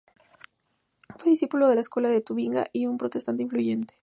Fue discípulo de la escuela de Tubinga y un protestante influyente.